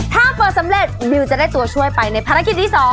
ถ้าเปิดสำเร็จบิวจะได้ตัวช่วยไปในภารกิจที่๒